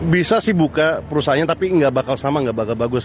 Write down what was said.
bisa sih buka perusahaannya tapi nggak bakal sama nggak bakal bagus